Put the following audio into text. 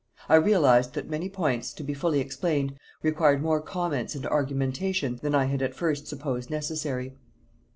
I realized that many points, to be fully explained, required more comments and argumentation that I had at first supposed necessary.